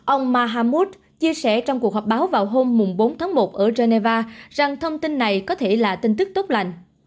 ông mahammud chia sẻ trong cuộc họp báo vào hôm bốn tháng một ở geneva rằng thông tin này có thể là tin tức tốt lành